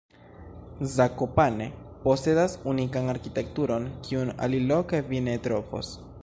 Zakopane posedas unikan arkitekturon, kiun aliloke vi ne trovos.